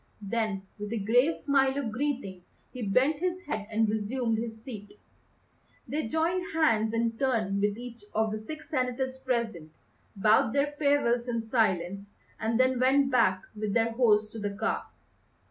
Then, with a grave smile of greeting, he bent his head and resumed his seat. They joined hands in turn with each of the six senators present, bowed their farewells in silence, and then went back with their host to the car.